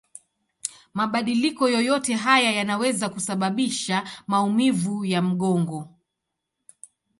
Mabadiliko yoyote haya yanaweza kusababisha maumivu ya mgongo.